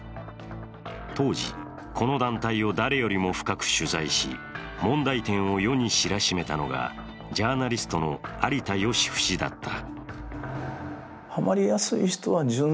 当時、この団体を誰よりも深く取材し、問題点を世に知らしめたのがジャーナリストの有田芳生氏だった。